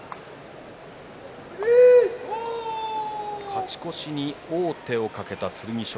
勝ち越しに王手をかけた剣翔